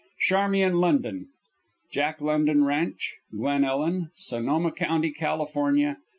CHARMIAN LONDON. Jack London Ranch, Glen Ellen, Sonoma County, California.